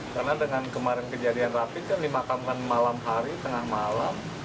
karena dengan kemarin kejadian rapi kan dimakamkan malam hari tengah malam